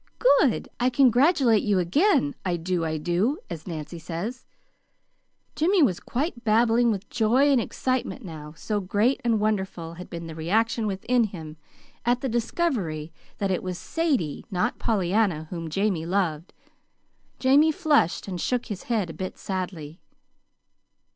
Good! I congratulate you again, I do, I do, as Nancy says." Jimmy was quite babbling with joy and excitement now, so great and wonderful had been the reaction within him at the discovery that it was Sadie, not Pollyanna, whom Jamie loved. Jamie flushed and shook his head a bit sadly.